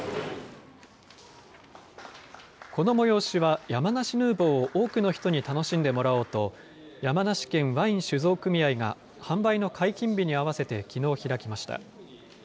この催しは、山梨ヌーボーを多くの人に楽しんでもらおうと、山梨県ワイン酒造組合が、販売の解禁日に合わせて、きのう開きました。